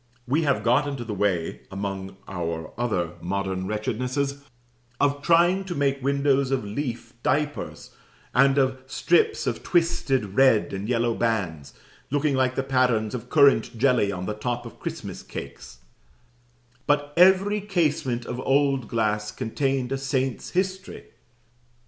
We have got into the way, among our other modern wretchednesses, of trying to make windows of leaf diapers, and of strips of twisted red and yellow bands, looking like the patterns of currant jelly on the top of Christmas cakes; but every casement of old glass contained a saint's history.